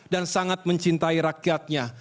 dan sangat mencintai rakyatnya